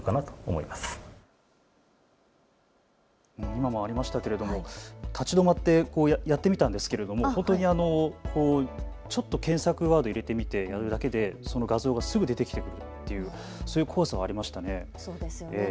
今もありましたけれども立ち止まってやってみたんですけれども本当にちょっと検索ワードを入れてみてやるだけでその画像がすぐ出てきてくる、そういう怖さはありましたね。